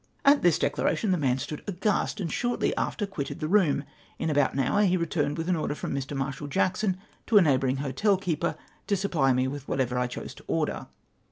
At this declaration the man stood aghast, and shortly after quitted the room. In about an hour he returned with an order from j\Ii'. Marshal Jackson to a neigh bourmg hotel keeper, to supply me with whatever I chose to order.